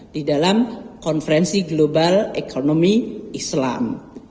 di dalam konferensi global ekonomi islam